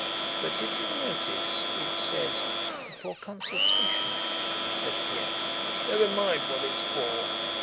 "But did you notice, it says, 'for consultation'?" said Pierre. "Never mind what it's for...."